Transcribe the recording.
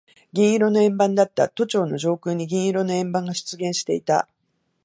銀色の円盤だった。都庁の上空に銀色の円盤が出現していた。